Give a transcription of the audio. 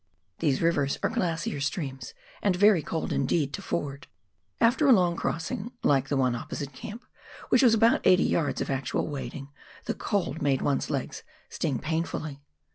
These rivers are glacier streams and very cold indeed to ford ; after a long crossing like the one opposite camp, which was about eighty yards of actual wading, the cold made one's legs sting painfully.